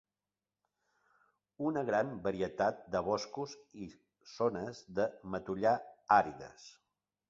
Una gran varietat de boscos i zones de matollar àrides.